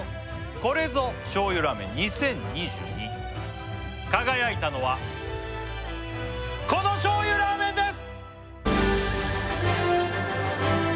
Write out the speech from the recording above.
これぞ醤油ラーメン２０２２輝いたのはこの醤油ラーメンです！